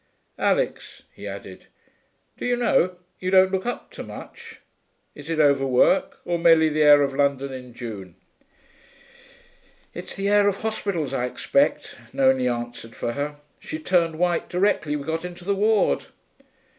Alix,' he added, 'do you know, you don't look up to much. Is it overwork, or merely the air of London in June?' 'It's the air of hospitals, I expect,' Nonie answered for her. 'She turned white directly we got into the ward.'